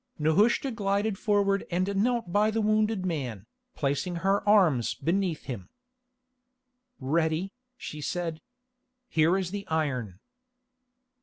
Nehushta glided forward and knelt by the wounded man, placing her arms beneath him. "Ready," she said. "Here is the iron."